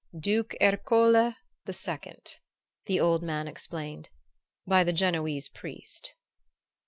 "Duke Ercole II.," the old man explained, "by the Genoese Priest."